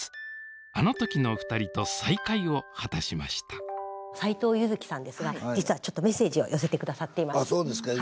あの時の２人と再会を果たしました斎藤結月さんですが実はちょっとメッセージを寄せて下さっています。